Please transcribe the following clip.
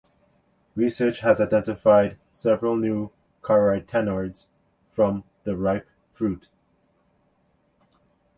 Research has identified several new carotenoids from the ripe fruit.